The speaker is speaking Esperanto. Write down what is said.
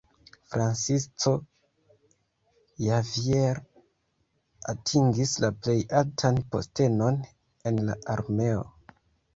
Francisco Javier atingis la plej altan postenon en la armeo.